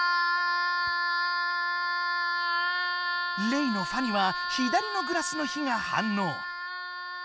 レイの「ファ」には左のグラスの火がはんのう！